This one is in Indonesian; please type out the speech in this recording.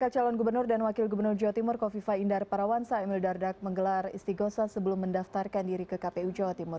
calon gubernur dan wakil gubernur jawa timur kofifa indar parawansa emil dardak menggelar istighosa sebelum mendaftarkan diri ke kpu jawa timur